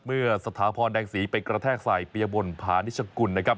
เมื่อสถาพรแดงสีไปกระแทกสายเปียบนพานิชกุลนะครับ